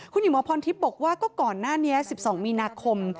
คุณหญิงหมอพรทิพย์บอกว่าก็ก่อนหน้านี้๑๒มีนาคม